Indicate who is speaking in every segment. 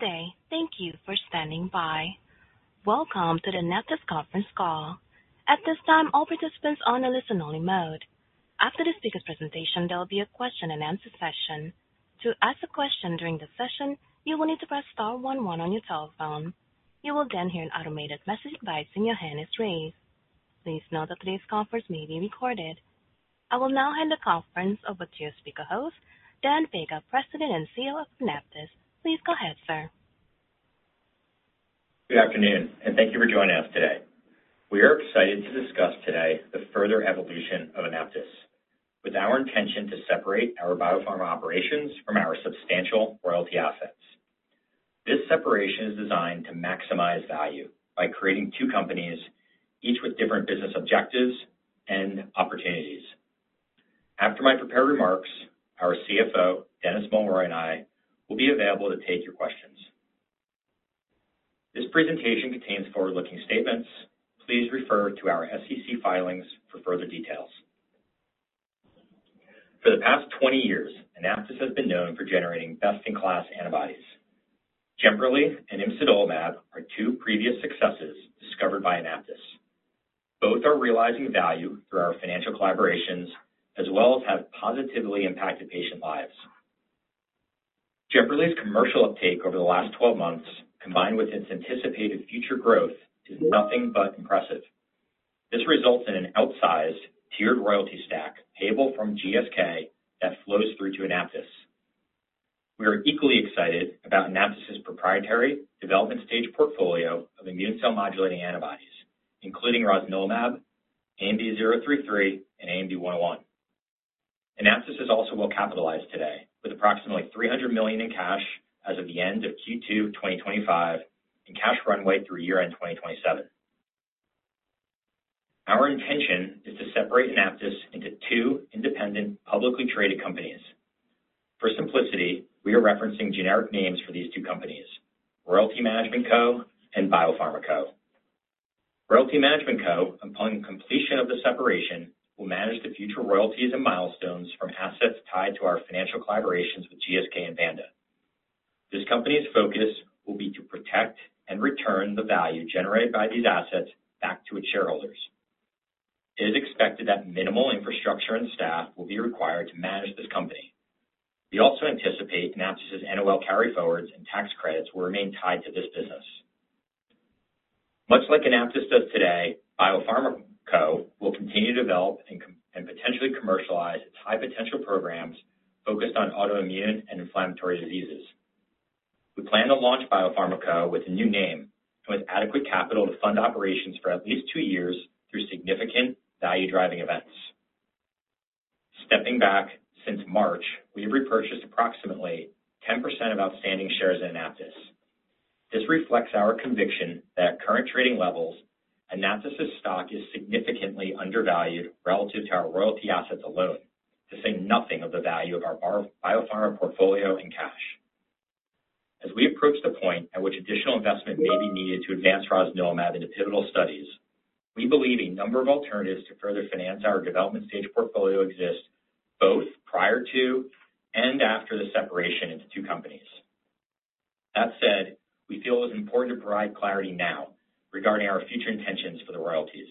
Speaker 1: Good day, thank you for standing by. Welcome to the AnaptysBio conference call. At this time, all participants are on a listen-only mode. After the speaker's presentation, there will be a question-and-answer session. To ask a question during the session, you will need to press star 11 on your telephone. You will then hear an automated message confirming your hand is raised. Please note that today's conference may be recorded. I will now hand the conference over to your speaker host, Dan Faga, President and CEO of AnaptysBio. Please go ahead, sir.
Speaker 2: Good afternoon, and thank you for joining us today. We are excited to discuss today the further evolution of Anaptys, with our intention to separate our biopharma operations from our substantial royalty assets. This separation is designed to maximize value by creating two companies, each with different business objectives and opportunities. After my prepared remarks, our CFO, Dennis Mulroy, and I will be available to take your questions. This presentation contains forward-looking statements. Please refer to our SEC filings for further details. For the past 20 years, Anaptys has been known for generating best-in-class antibodies. Jemperli and Imsidolimab are two previous successes discovered by Anaptys. Both are realizing value through our financial collaborations, as well as have positively impacted patient lives. Jemperli's commercial uptake over the last 12 months, combined with its anticipated future growth, is nothing but impressive. This results in an outsized, tiered royalty stack payable from GSK that flows through to AnaptysBio. We are equally excited about AnaptysBio's proprietary development stage portfolio of immune cell modulating antibodies, including Rosnilimab, ANB033, and ANB101. AnaptysBio is also well capitalized today, with approximately $300 million in cash as of the end of Q2 2025 and cash runway through year-end 2027. Our intention is to separate AnaptysBio into two independent, publicly traded companies. For simplicity, we are referencing generic names for these two companies: Royalty Management Co. and Biopharma Co. Royalty Management Co., upon completion of the separation, will manage the future royalties and milestones from assets tied to our financial collaborations with GSK and Vanda. This company's focus will be to protect and return the value generated by these assets back to its shareholders. It is expected that minimal infrastructure and staff will be required to manage this company. We also anticipate Anaptys's NOL carryforwards and tax credits will remain tied to this business. Much like Anaptys does today, Biopharma Co. will continue to develop and potentially commercialize its high-potential programs focused on autoimmune and inflammatory diseases. We plan to launch Biopharma Co. with a new name and with adequate capital to fund operations for at least two years through significant value-driving events. Stepping back, since March, we have repurchased approximately 10% of outstanding shares in Anaptys. This reflects our conviction that at current trading levels, Anaptys's stock is significantly undervalued relative to our royalty assets alone, to say nothing of the value of our biopharma portfolio in cash. As we approach the point at which additional investment may be needed to advance Rosnilimab into pivotal studies, we believe a number of alternatives to further finance our development stage portfolio exist, both prior to and after the separation into two companies. That said, we feel it is important to provide clarity now regarding our future intentions for the royalties.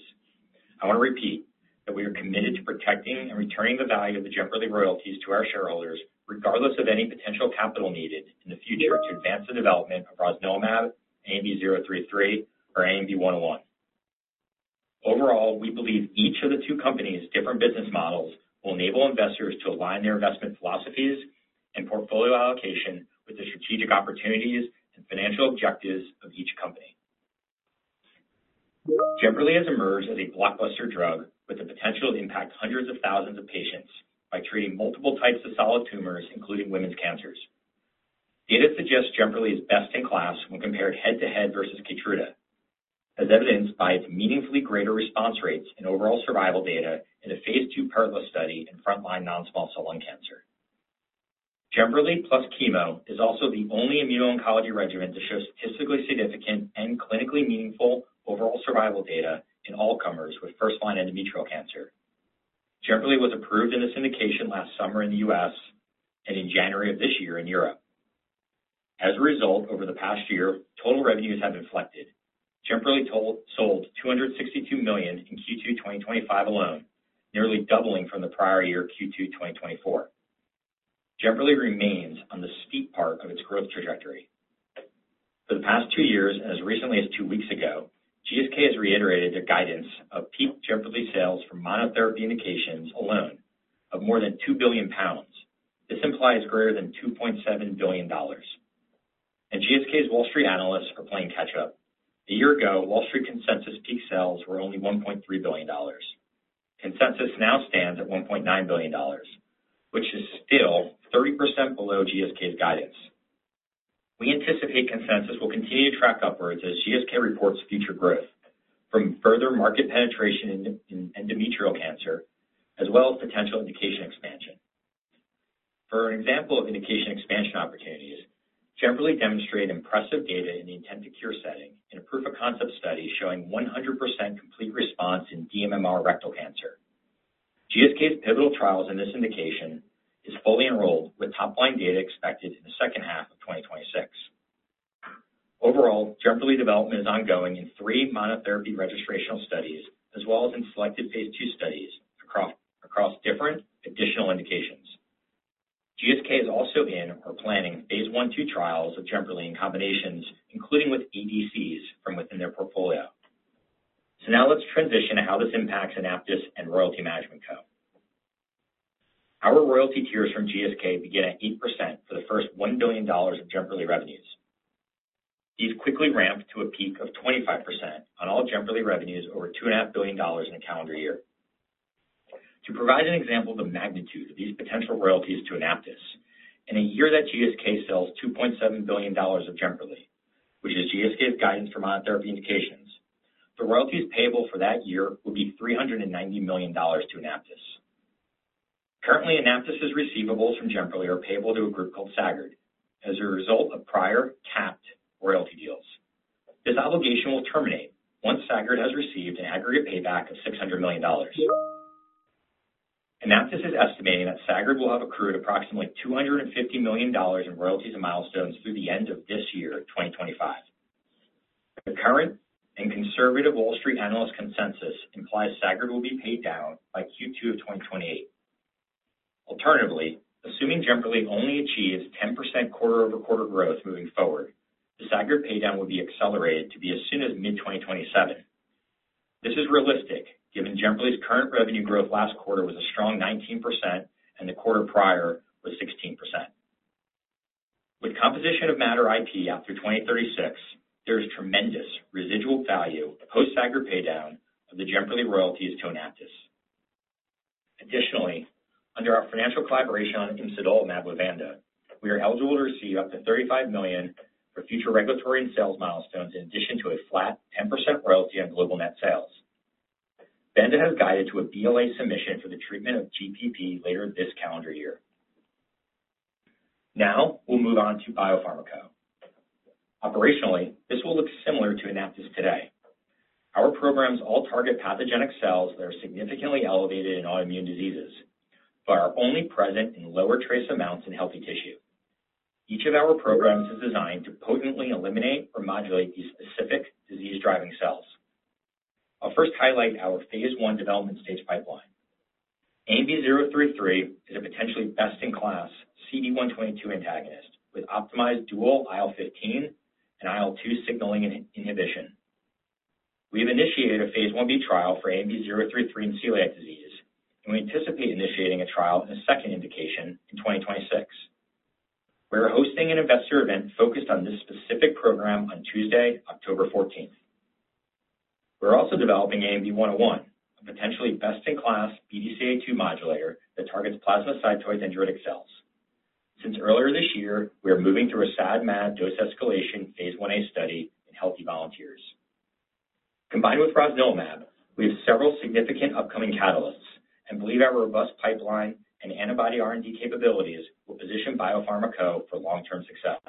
Speaker 2: I want to repeat that we are committed to protecting and returning the value of the Jemperli royalties to our shareholders, regardless of any potential capital needed in the future to advance the development of Rosnilimab, ANB033, or ANB101. Overall, we believe each of the two companies' different business models will enable investors to align their investment philosophies and portfolio allocation with the strategic opportunities and financial objectives of each company. Jemperli has emerged as a blockbuster drug with the potential to impact hundreds of thousands of patients by treating multiple types of solid tumors, including women's cancers. Data suggests Jemperli is best in class when compared head-to-head versus Keytruda, as evidenced by its meaningfully greater response rates and overall survival data in a phase II peritoneal study in frontline non-small cell lung cancer. Jemperli plus chemo is also the only immuno-oncology regimen to show statistically significant and clinically meaningful overall survival data in all comers with first-line endometrial cancer. Jemperli was approved in this indication last summer in the U.S. and in January of this year in Europe. As a result, over the past year, total revenues have inflected. Jemperli sold $262 million in Q2 2025 alone, nearly doubling from the prior year Q2 2024. Jemperli remains on the steep part of its growth trajectory. For the past two years, and as recently as two weeks ago, GSK has reiterated their guidance of peak Jemperli sales for monotherapy indications alone of more than $2 billion. This implies greater than $2.7 billion. GSK's Wall Street analysts are playing catch-up. A year ago, Wall Street consensus peak sales were only $1.3 billion. Consensus now stands at $1.9 billion, which is still 30% below GSK's guidance. We anticipate consensus will continue to track upwards as GSK reports future growth from further market penetration in endometrial cancer, as well as potential indication expansion. For an example of indication expansion opportunities, Jemperli demonstrated impressive data in the intent to cure setting in a proof-of-concept study showing 100% complete response in dMMR rectal cancer. GSK's pivotal trials in this indication are fully enrolled, with top-line data expected in the second half of 2026. Overall, Jemperli development is ongoing in three monotherapy registrational studies, as well as in selected phase 2 studies across different additional indications. GSK is also in or planning phase I-II trials of Jemperli in combinations, including with ADCs from within their portfolio. So now let's transition to how this impacts Anaptys and Royalty Management Co. Our royalty tiers from GSK begin at 8% for the first $1 billion of Jemperli revenues. These quickly ramp to a peak of 25% on all Jemperli revenues over $2.5 billion in a calendar year. To provide an example of the magnitude of these potential royalties to Anaptys, in a year that GSK sells $2.7 billion of Jemperli, which is GSK's guidance for monotherapy indications, the royalties payable for that year will be $390 million to Anaptys. Currently, Anaptys's receivables from Jemperli are payable to a group called Sagard as a result of prior capped royalty deals. This obligation will terminate once Sagard has received an aggregate payback of $600 million. Anaptys is estimating that Sagard will have accrued approximately $250 million in royalties and milestones through the end of this year, 2025. The current and conservative Wall Street analyst consensus implies Sagard will be paid down by Q2 of 2028. Alternatively, assuming Jemperli only achieves 10% quarter-over-quarter growth moving forward, the Sagard paydown would be accelerated to be as soon as mid-2027. This is realistic, given Jemperli's current revenue growth last quarter was a strong 19% and the quarter prior was 16%. With composition of matter IP out through 2036, there is tremendous residual value post-Sagard paydown of the Jemperli royalties to Anaptys. Additionally, under our financial collaboration on Imsidolimab with Vanda, we are eligible to receive up to $35 million for future regulatory and sales milestones, in addition to a flat 10% royalty on global net sales. Vanda has guided to a BLA submission for the treatment of GPP later this calendar year. Now we'll move on to Biopharma Co. Operationally, this will look similar to Anaptys today. Our programs all target pathogenic cells that are significantly elevated in autoimmune diseases, but are only present in lower trace amounts in healthy tissue. Each of our programs is designed to potently eliminate or modulate these specific disease-driving cells. I'll first highlight our phase one development stage pipeline. ANB033 is a potentially best-in-class CD122 antagonist with optimized dual IL-15 and IL-2 signaling inhibition. We have initiated a phase Ib trial for ANB033 in celiac disease, and we anticipate initiating a trial in a second indication in 2026. We are hosting an investor event focused on this specific program on Tuesday, October 14th. We're also developing ANB101, a potentially best-in-class BDCA2 modulator that targets plasmacytosis and dendritic cells. Since earlier this year, we are moving through a SAD/MAD dose escalation phase Ia study in healthy volunteers. Combined with Rosnilimab, we have several significant upcoming catalysts and believe our robust pipeline and antibody R&D capabilities will position Biopharma Co. for long-term success.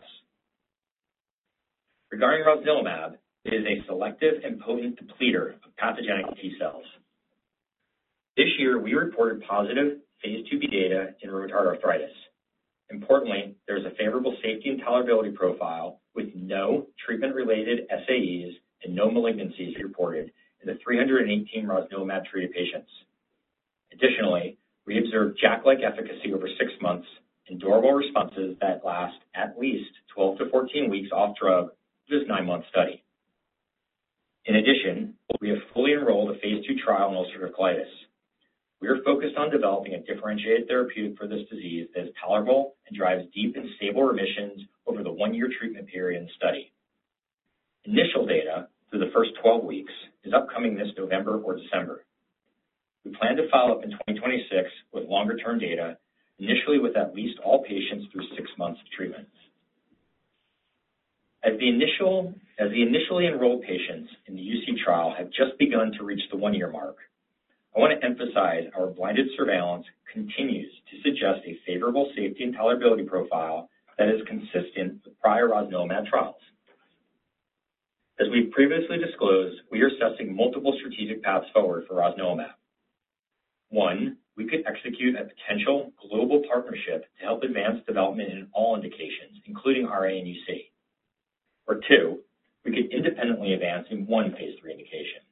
Speaker 2: Regarding Rosnilimab, it is a selective and potent depleter of pathogenic T cells. This year, we reported positive phase IIb data in rheumatoid arthritis. Importantly, there is a favorable safety and tolerability profile with no treatment-related SAEs and no malignancies reported in the 318 Rosnilimab treated patients. Additionally, we observed JAK-like efficacy over six months in durable responses that last at least 12 to 14 weeks off drug, which is a nine-month study. In addition, we have fully enrolled a phase two trial in ulcerative colitis. We are focused on developing a differentiated therapeutic for this disease that is tolerable and drives deep and stable remissions over the one-year treatment period in the study. Initial data through the first 12 weeks is upcoming this November or December. We plan to follow up in 2026 with longer-term data, initially with at least all patients through six months of treatment. As the initially enrolled patients in the UC trial have just begun to reach the one-year mark, I want to emphasize our blinded surveillance continues to suggest a favorable safety and tolerability profile that is consistent with prior Rosnilimab trials. As we've previously disclosed, we are assessing multiple strategic paths forward for Rosnilimab. One, we could execute a potential global partnership to help advance development in all indications, including RA and UC. Or two, we could independently advance in one phase three indication.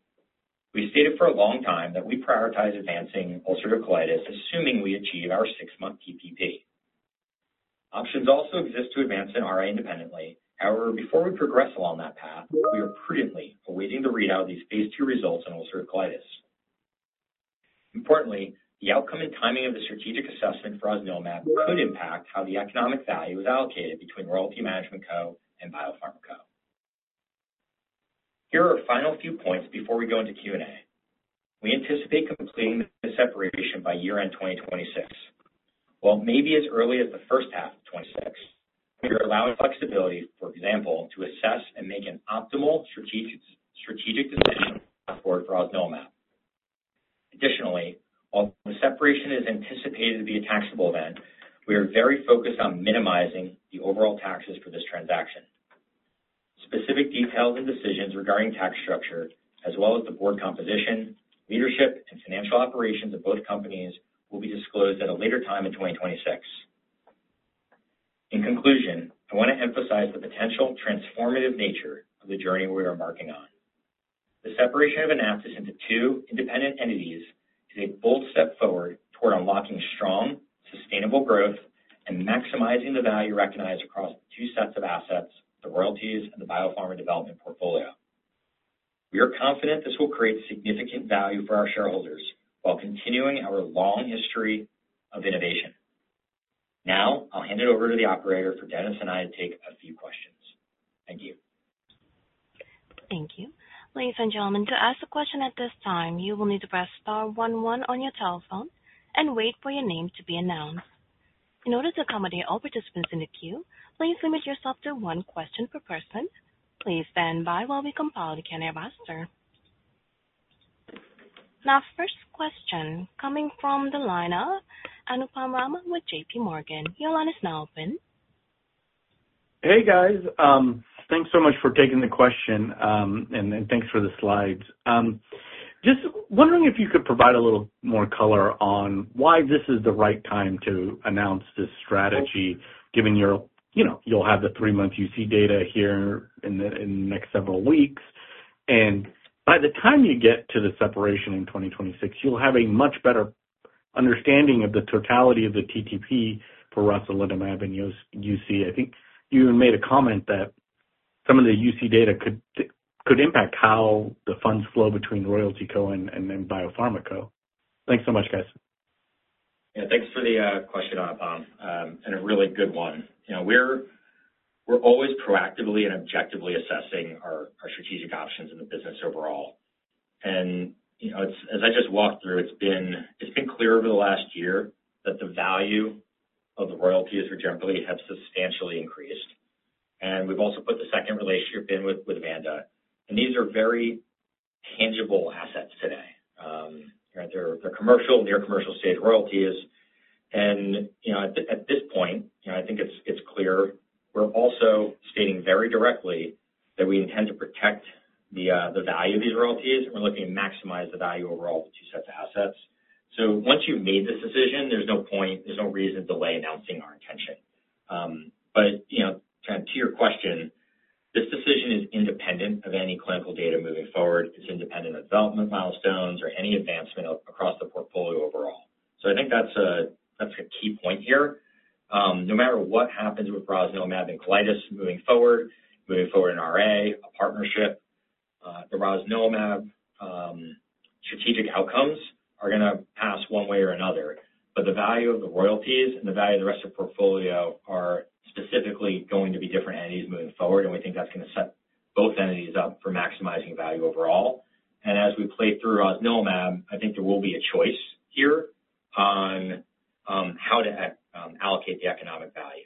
Speaker 2: We stated for a long time that we prioritize advancing ulcerative colitis, assuming we achieve our six-month TPP. Options also exist to advance in RA independently. However, before we progress along that path, we are prudently awaiting the readout of these phase two results in ulcerative colitis. Importantly, the outcome and timing of the strategic assessment for Rosnilimab could impact how the economic value is allocated between Royalty Management Co. and Biopharma Co. Here are our final few points before we go into Q&A. We anticipate completing the separation by year-end 2026. Well, maybe as early as the first half of 2026. We are allowing flexibility, for example, to assess and make an optimal strategic decision for Rosnilimab. Additionally, although the separation is anticipated to be a taxable event, we are very focused on minimizing the overall taxes for this transaction. Specific details and decisions regarding tax structure, as well as the board composition, leadership, and financial operations of both companies, will be disclosed at a later time in 2026. In conclusion, I want to emphasize the potential transformative nature of the journey we are embarking on. The separation of AnaptysBio into two independent entities is a bold step forward toward unlocking strong, sustainable growth and maximizing the value recognized across the two sets of assets, the royalties and the biopharma development portfolio. We are confident this will create significant value for our shareholders while continuing our long history of innovation. Now I'll hand it over to the operator for Dennis and I to take a few questions. Thank you.
Speaker 1: Thank you. Ladies and gentlemen, to ask a question at this time, you will need to press star 11 on your telephone and wait for your name to be announced. In order to accommodate all participants in the queue, please limit yourself to one question per person. Please stand by while we compile the Q&A roster. Now, first question coming from the line, Anupam Rama with JPMorgan. Your line is now open.
Speaker 3: Hey, guys. Thanks so much for taking the question, and thanks for the slides. Just wondering if you could provide a little more color on why this is the right time to announce this strategy, given you'll have the three-month UC data here in the next several weeks. And by the time you get to the separation in 2026, you'll have a much better understanding of the totality of the TTP for Rosnilimab UC. I think you even made a comment that some of the UC data could impact how the funds flow between Royalty Co. and Biopharma Co. Thanks so much, guys.
Speaker 2: Yeah, thanks for the question, AnaptysBio, and a really good one. We're always proactively and objectively assessing our strategic options in the business overall. And as I just walked through, it's been clear over the last year that the value of the royalties for Jemperli have substantially increased. And we've also put the second relationship in with Vanda. And these are very tangible assets today. They're commercial, near-commercial-stage royalties. And at this point, I think it's clear. We're also stating very directly that we intend to protect the value of these royalties, and we're looking to maximize the value overall of the two sets of assets. So once you've made this decision, there's no point, there's no reason to delay announcing our intention. But to your question, this decision is independent of any clinical data moving forward. It's independent of development milestones or any advancement across the portfolio overall. So I think that's a key point here. No matter what happens with Rosnilimab and colitis moving forward, moving forward in RA, a partnership, the Rosnilimab strategic outcomes are going to pass one way or another. But the value of the royalties and the value of the rest of the portfolio are specifically going to be different entities moving forward, and we think that's going to set both entities up for maximizing value overall. And as we play through Rosnilimab, I think there will be a choice here on how to allocate the economic value.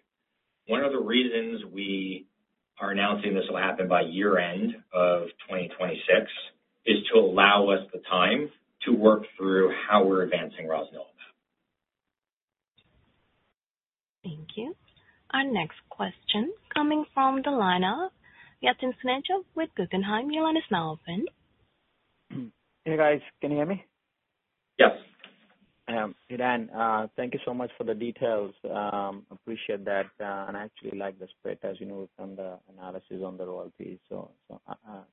Speaker 2: One of the reasons we are announcing this will happen by year-end of 2026 is to allow us the time to work through how we're advancing Rosnilimab.
Speaker 1: Thank you. Our next question coming from the line of, Yatin Suneja with Guggenheim. Your line is now open.
Speaker 4: Hey, guys. Can you hear me?
Speaker 2: Yes.
Speaker 4: Hey, Dan. Thank you so much for the details. I appreciate that. And I actually like the spread, as you know, from the analysis on the royalties. So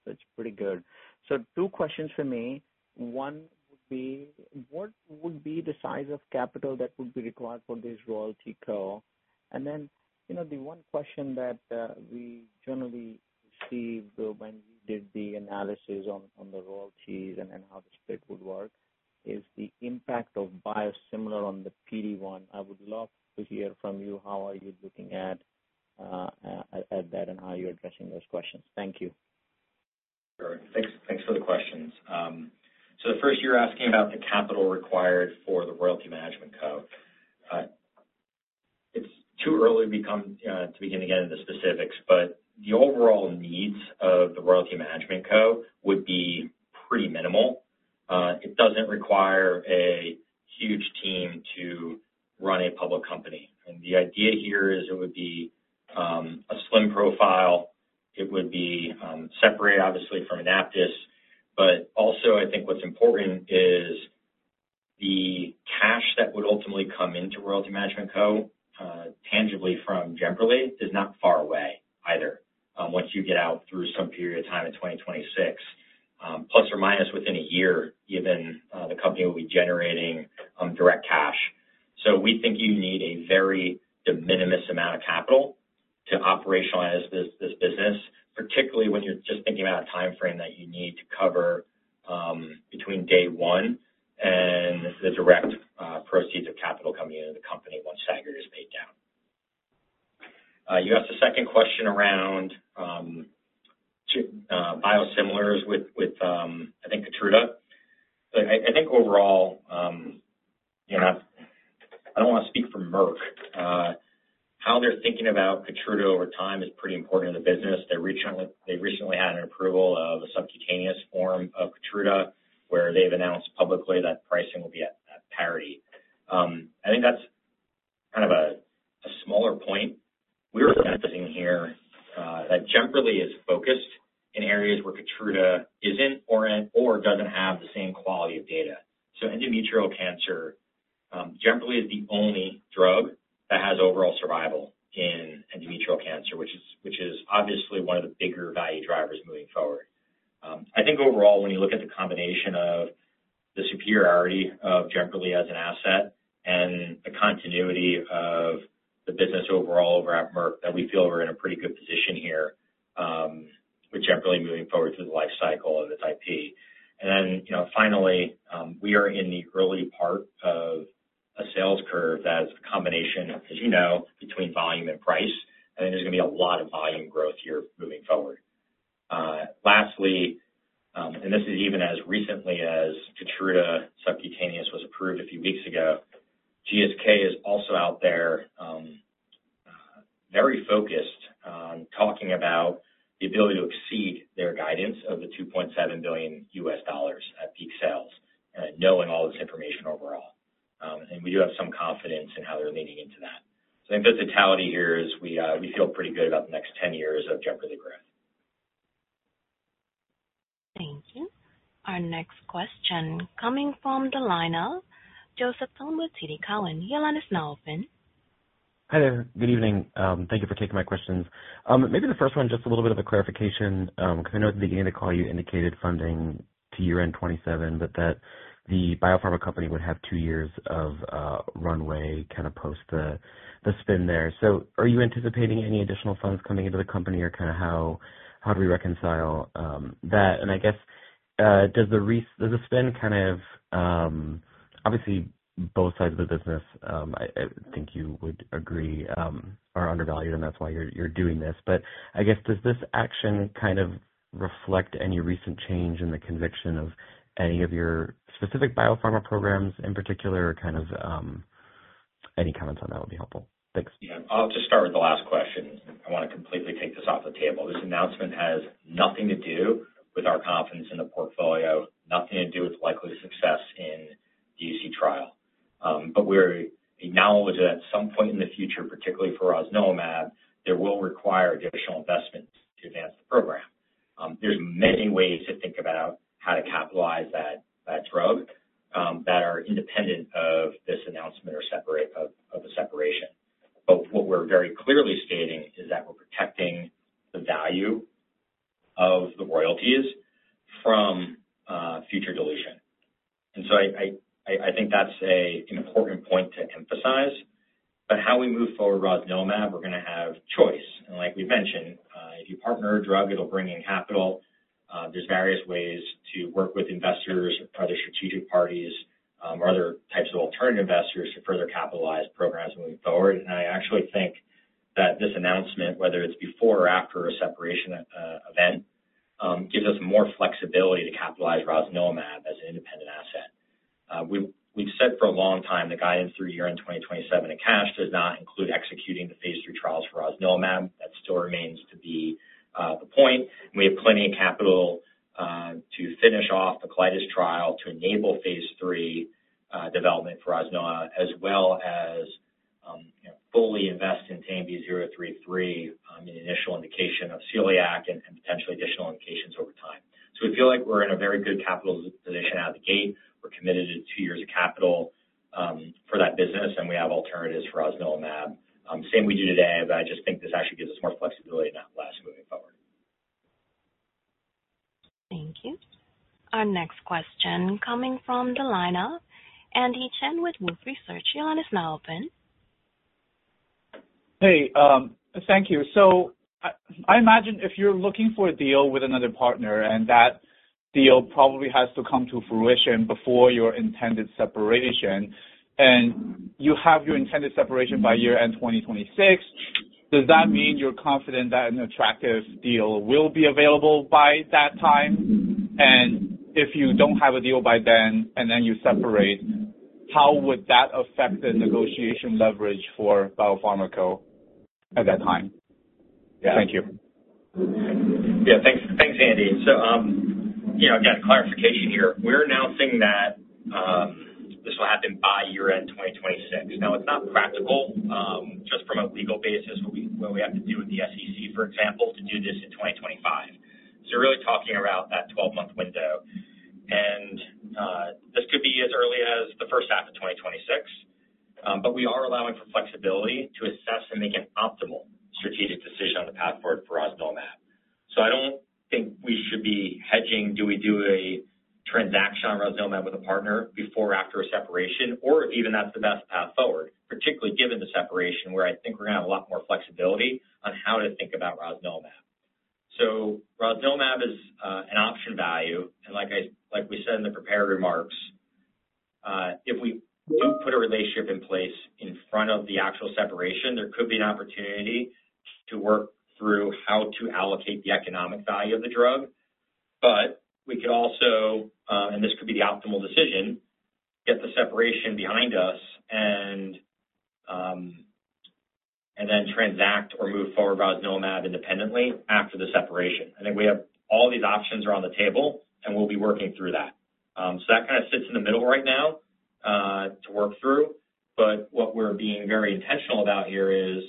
Speaker 4: it's pretty good. So two questions for me. One would be, what would be the size of capital that would be required for this Royalty Co.? And then the one question that we generally received when we did the analysis on the royalties and how the spread would work is the impact of biosimilar on the PD-1. I would love to hear from you how are you looking at that and how you're addressing those questions. Thank you.
Speaker 2: Perfect. Thanks for the questions. So first, you're asking about the capital required for the Royalty Management Co. It's too early to begin again in the specifics, but the overall needs of the Royalty Management Co. would be pretty minimal. It doesn't require a huge team to run a public company. And the idea here is it would be a slim profile. It would be separate, obviously, from AnaptysBio. But also, I think what's important is the cash that would ultimately come into Royalty Management Co. Tangibly from Jemperli is not far away either once you get out through some period of time in 2026. Plus or minus within a year, even the company will be generating direct cash. So we think you need a very de minimis amount of capital to operationalize this business, particularly when you're just thinking about a timeframe that you need to cover between day one and the direct proceeds of capital coming into the company once Sagard is paid down. You asked the second question around biosimilars with, I think, Keytruda. I think overall, I don't want to speak for Merck. How they're thinking about Keytruda over time is pretty important in the business. They recently had an approval of a subcutaneous form of Keytruda where they've announced publicly that pricing will be at parity. I think that's kind of a smaller point. We're assessing here that Jemperli is focused in areas where Keytruda isn't or doesn't have the same quality of data. So endometrial cancer, Jemperli is the only drug that has overall survival in endometrial cancer, which is obviously one of the bigger value drivers moving forward. I think overall, when you look at the combination of the superiority of Jemperli as an asset and the continuity of the business overall over at Merck, that we feel we're in a pretty good position here with Jemperli moving forward through the life cycle of its IP. And then finally, we are in the early part of a sales curve that is a combination, as you know, between volume and price. And there's going to be a lot of volume growth here moving forward. Lastly, and this is even as recently as Keytruda subcutaneous was approved a few weeks ago, GSK is also out there very focused on talking about the ability to exceed their guidance of $2.7 billion at peak sales, knowing all this information overall. And we do have some confidence in how they're leaning into that. So I think the totality here is we feel pretty good about the next 10 years of Jemperli growth.
Speaker 1: Thank you. Our next question coming from the line of, Joe Thome with TD Cowen. Your line is now open.
Speaker 5: Hi there. Good evening. Thank you for taking my questions. Maybe the first one, just a little bit of a clarification, because I know at the beginning of the call you indicated funding to year-end 2027, but that the biopharma company would have two years of runway kind of post the spin there. So are you anticipating any additional funds coming into the company or kind of how do we reconcile that? And I guess, does the spin kind of obviously both sides of the business, I think you would agree, are undervalued, and that's why you're doing this. But I guess, does this action kind of reflect any recent change in the conviction of any of your specific biopharma programs in particular, or kind of any comments on that would be helpful? Thanks. Yeah.
Speaker 2: I'll just start with the last question. I want to completely take this off the table. This announcement has nothing to do with our confidence in the portfolio, nothing to do with likely success in the UC trial. But we acknowledge that at some point in the future, particularly for Rosnilimab, there will require additional investments to advance the program. are many ways to think about how to capitalize that drug that are independent of this announcement or a separation. But what we're very clearly stating is that we're protecting the value of the royalties from future dilution. And so I think that's an important point to emphasize. But how we move forward with Rosnilimab, we're going to have choice. And like we've mentioned, if you partner a drug, it'll bring in capital. There's various ways to work with investors or other strategic parties or other types of alternative investors to further capitalize programs moving forward. And I actually think that this announcement, whether it's before or after a separation event, gives us more flexibility to capitalize Rosnilimab as an independent asset. We've said for a long time the guidance through year-end 2027 in cash does not include executing the phase III trials for Rosnilimab. That still remains to be the point. We have plenty of capital to finish off the colitis trial to enable phase III development for Rosnilimab, as well as fully invest in ANB033 in initial indication of celiac and potentially additional indications over time. So we feel like we're in a very good capital position out of the gate. We're committed to two years of capital for that business, and we have alternatives for Rosnilimab. Same we do today, but I just think this actually gives us more flexibility in that blast moving forward.
Speaker 1: Thank you. Our next question coming from the line of, Andy Chen with Wolfe Research. Your line is now open.
Speaker 6: Hey, thank you. So I imagine if you're looking for a deal with another partner and that deal probably has to come to fruition before your intended separation, and you have your intended separation by year-end 2026, does that mean you're confident that an attractive deal will be available by that time? And if you don't have a deal by then and then you separate, how would that affect the negotiation leverage for Biopharma Co. at that time? Yeah. Thank you.
Speaker 2: Yeah. Thanks, Andy. So again, clarification here. We're announcing that this will happen by year-end 2026. Now, it's not practical just from a legal basis, what we have to do with the SEC, for example, to do this in 2025. So we're really talking about that 12-month window. And this could be as early as the first half of 2026. But we are allowing for flexibility to assess and make an optimal strategic decision on the path forward for Rosnilimab. So I don't think we should be hedging, do we do a transaction on Rosnilimab with a partner before or after a separation, or if even that's the best path forward, particularly given the separation where I think we're going to have a lot more flexibility on how to think about Rosnilimab. So Rosnilimab is an option value. And like we said in the preparatory remarks, if we do put a relationship in place in front of the actual separation, there could be an opportunity to work through how to allocate the economic value of the drug. But we could also, and this could be the optimal decision, get the separation behind us and then transact or move forward with Rosnilimab independently after the separation. I think we have all these options are on the table, and we'll be working through that, so that kind of sits in the middle right now to work through, but what we're being very intentional about here is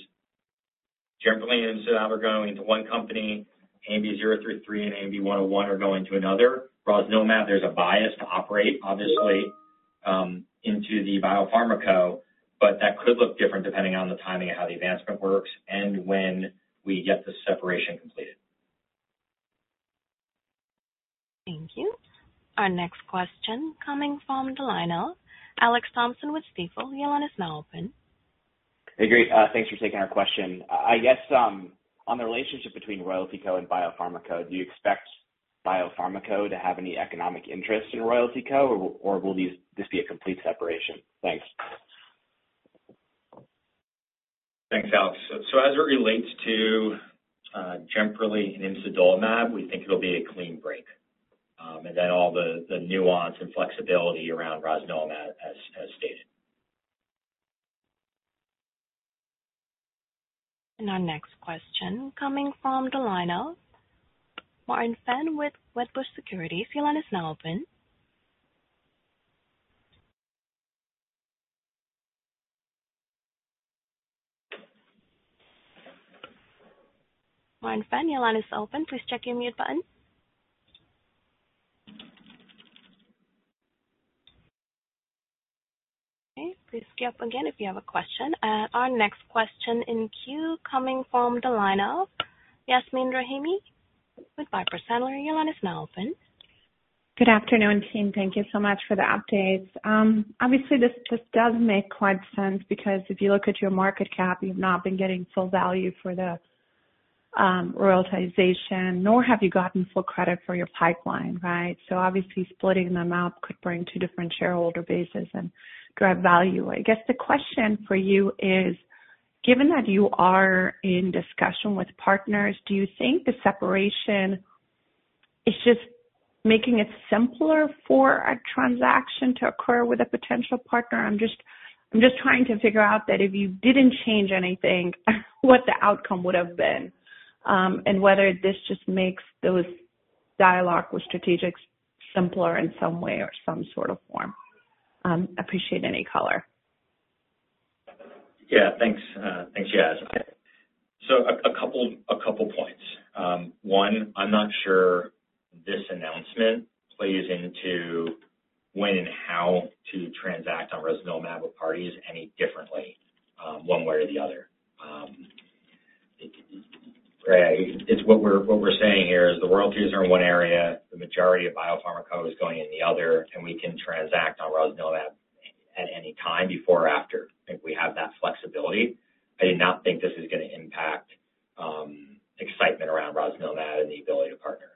Speaker 2: Jemperli and royalties going to one company, ANB033 and ANB101 are going to another. Rosnilimab, there's a bias to operate, obviously, into the Biopharma Co. But that could look different depending on the timing of how the advancement works and when we get the separation completed.
Speaker 1: Thank you. Our next question coming from the line of, Alex Thompson with Stifel. Your line is now open.
Speaker 7: Hey, guys. Thanks for taking our question. I guess on the relationship between Royalty Co. and Biopharma Co., do you expect Biopharma Co. to have any economic interest in Royalty Co., or will this be a complete separation? Thanks. Thanks, Alex. So as it relates to Jemperli and Imsidolimab, we think it'll be a clean break. And then all the nuance and flexibility around Rosnilimab, as stated.
Speaker 1: And our next question coming from the line of, Martin Fan with Wedbush Securities. Your line is now open. Martin Fan, your line is open. Please check your mute button. Okay. Please get up again if you have a question. Our next question in queue coming from the line of, Yasmeen Rahimi with Piper Sandler. Your line is now open.
Speaker 8: Good afternoon, team. Thank you so much for the updates. Obviously, this does make quite sense because if you look at your market cap, you've not been getting full value for the royalization, nor have you gotten full credit for your pipeline, right? So obviously, splitting them up could bring two different shareholder bases and drive value. I guess the question for you is, given that you are in discussion with partners, do you think the separation is just making it simpler for a transaction to occur with a potential partner? I'm just trying to figure out that if you didn't change anything, what the outcome would have been and whether this just makes those dialogue with strategics simpler in some way or some sort of form. Appreciate any color.
Speaker 2: Yeah. Thanks, Yaz. So a couple of points. One, I'm not sure this announcement plays into when and how to transact on Rosnilimab with parties any differently one way or the other. It's what we're saying here is the royalties are in one area, the majority of Biopharma Co. is going in the other, and we can transact on Rosnilimab at any time before or after. I think we have that flexibility. I do not think this is going to impact excitement around Rosnilimab and the ability to partner.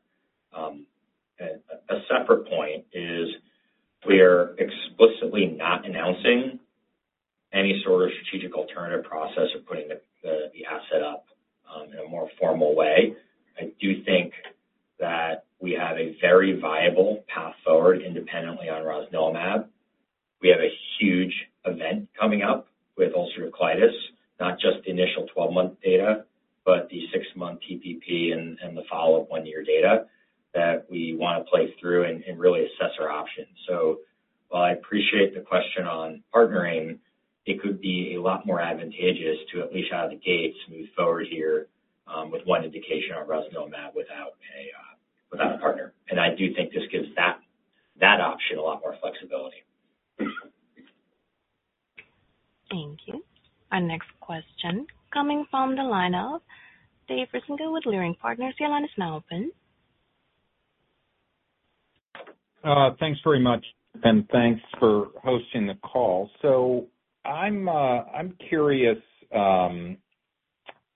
Speaker 2: A separate point is we are explicitly not announcing any sort of strategic alternative process or putting the asset up in a more formal way. I do think that we have a very viable path forward independently on Rosnilimab. We have a huge event coming up with ulcerative colitis, not just the initial 12-month data, but the six-month TPP and the follow-up one-year data that we want to play through and really assess our options. So while I appreciate the question on partnering, it could be a lot more advantageous to at least out of the gate smooth forward here with one indication on Rosnilimab without a partner. And I do think this gives that option a lot more flexibility.
Speaker 1: Thank you. Our next question coming from the line of, David Risinger with Leerink Partners. Your line is now open.
Speaker 9: Thanks very much, and thanks for hosting the call. So I'm curious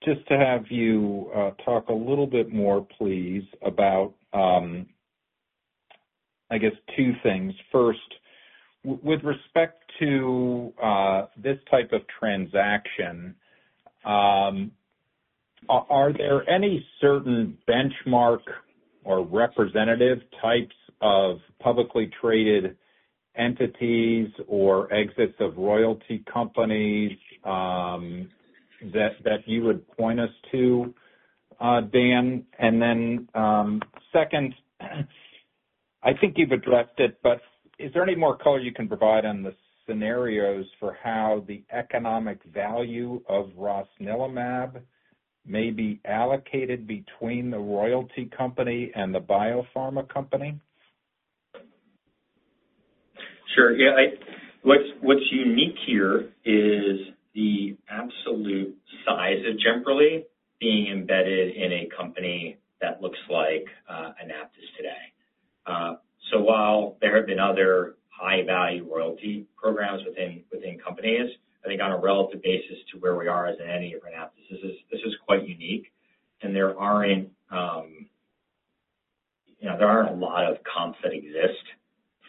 Speaker 9: just to have you talk a little bit more, please, about, I guess, two things. First, with respect to this type of transaction, are there any certain benchmark or representative types of publicly traded entities or exits of royalty companies that you would point us to, Dan? And then second, I think you've addressed it, but is there any more color you can provide on the scenarios for how the economic value of Rosnilimab may be allocated between the royalty company and the biopharma company?
Speaker 2: Sure. Yeah. What's unique here is the absolute size of Jemperli being embedded in a company that looks like AnaptysBio today. So while there have been other high-value royalty programs within companies, I think on a relative basis to where we are as an entity of AnaptysBio, this is quite unique, and there aren't a lot of comps that exist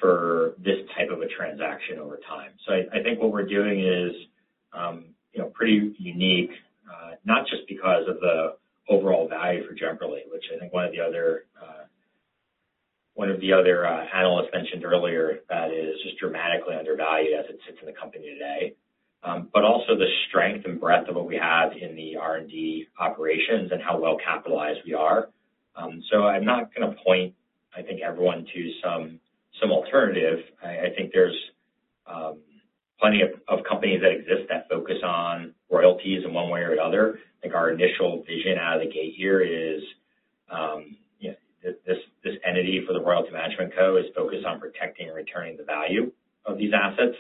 Speaker 2: for this type of a transaction over time, so I think what we're doing is pretty unique, not just because of the overall value for Jemperli, which I think one of the other analysts mentioned earlier that is just dramatically undervalued as it sits in the company today, but also the strength and breadth of what we have in the R&D operations and how well capitalized we are, so I'm not going to point, I think, everyone to some alternative. I think there's plenty of companies that exist that focus on royalties in one way or another. I think our initial vision out of the gate here is this entity for the Royalty Management Co. is focused on protecting and returning the value of these assets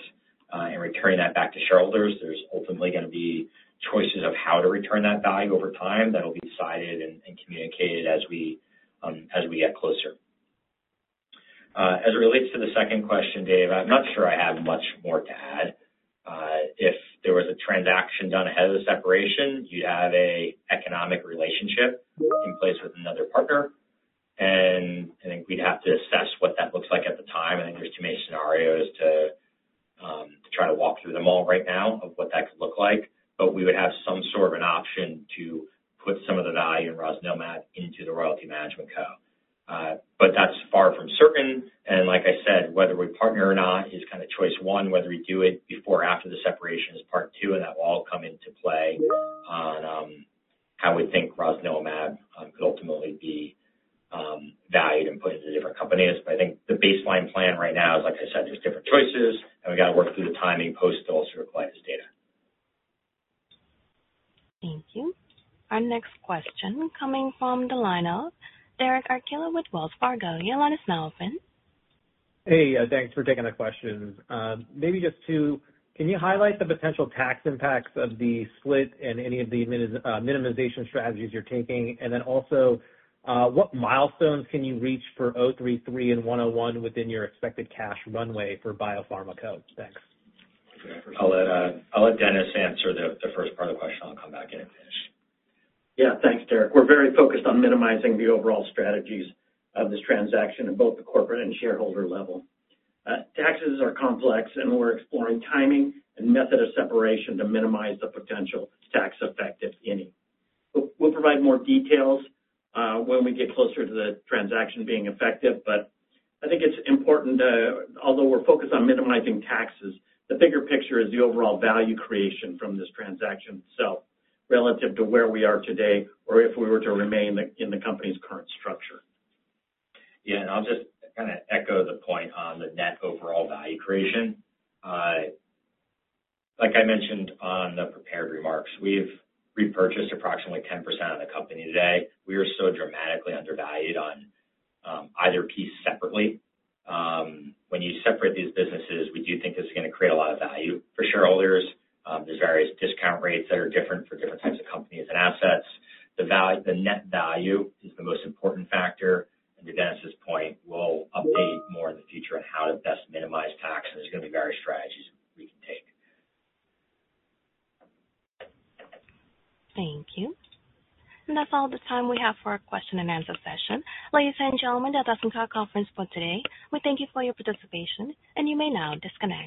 Speaker 2: and returning that back to shareholders. There's ultimately going to be choices of how to return that value over time that will be decided and communicated as we get closer. As it relates to the second question, Dave, I'm not sure I have much more to add. If there was a transaction done ahead of the separation, you'd have an economic relationship in place with another partner, and I think we'd have to assess what that looks like at the time. I think there's too many scenarios to try to walk through them all right now of what that could look like. But we would have some sort of an option to put some of the value in Rosnilimab into the Royalty Management Co. But that's far from certain. And like I said, whether we partner or not is kind of choice one. Whether we do it before or after the separation is part two, and that will all come into play on how we think Rosnilimab could ultimately be valued and put into different companies. But I think the baseline plan right now is, like I said, there's different choices, and we got to work through the timing post-ulcerative colitis data.
Speaker 1: Thank you. Our next question coming from the line of, Derek Archila with Wells Fargo. Your line is now open.
Speaker 10: Hey, thanks for taking the questions. Maybe just two. Can you highlight the potential tax impacts of the split and any of the minimization strategies you're taking? And then also, what milestones can you reach for 033 and 101 within your expected cash runway for Biopharma Co.? Thanks.
Speaker 2: I'll let Dennis answer the first part of the question. I'll come back in and finish.
Speaker 11: Yeah. Thanks, Derek. We're very focused on minimizing the overall strategies of this transaction at both the corporate and shareholder level. Taxes are complex, and we're exploring timing and method of separation to minimize the potential tax effect, if any. We'll provide more details when we get closer to the transaction being effective. But I think it's important that although we're focused on minimizing taxes, the bigger picture is the overall value creation from this transaction itself relative to where we are today or if we were to remain in the company's current structure.
Speaker 2: Yeah. And I'll just kind of echo the point on the net overall value creation. Like I mentioned on the prepared remarks, we've repurchased approximately 10% of the company today. We are so dramatically undervalued on either piece separately. When you separate these businesses, we do think this is going to create a lot of value for shareholders. There's various discount rates that are different for different types of companies and assets. The net value is the most important factor, and to Dennis's point, we'll update more in the future on how to best minimize tax, and there's going to be various strategies we can take.
Speaker 1: Thank you, and that's all the time we have for our question and answer session. Ladies and gentlemen, that does conclude our conference for today. We thank you for your participation, and you may now disconnect.